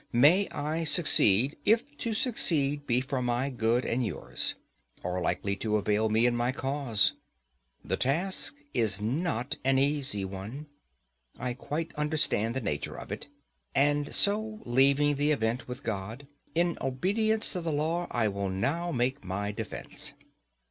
May I succeed, if to succeed be for my good and yours, or likely to avail me in my cause! The task is not an easy one; I quite understand the nature of it. And so leaving the event with God, in obedience to the law I will now make my defence.